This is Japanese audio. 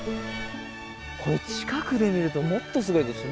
これ近くで見るともっとすごいぞ。